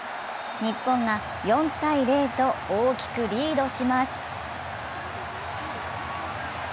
日本が４−０と大きくリードします。